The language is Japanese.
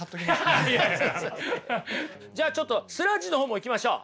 じゃあちょっとスラッジの方もいきましょう。